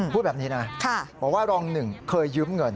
พูดแบบนี้นะบอกว่ารองหนึ่งเคยยืมเงิน